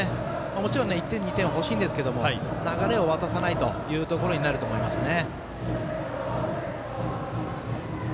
もちろん１点２点欲しいんですが流れを渡さないというところになると思いますね。